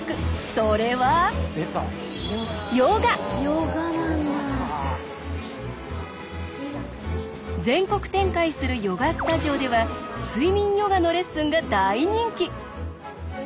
それは全国展開するヨガスタジオでは睡眠ヨガのレッスンが大人気！